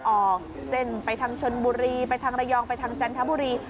ออกเส้นไปทางชนบุรีไปทางระยองไปทางจันทบุรี